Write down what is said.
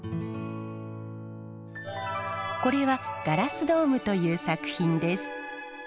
これはガラスドームという作品です。